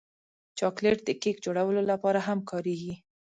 چاکلېټ د کیک جوړولو لپاره هم کارېږي.